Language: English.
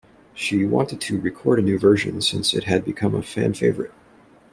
She wanted to record a new version since it had become a fan favorite.